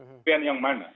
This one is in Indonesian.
pemerintahan yang mana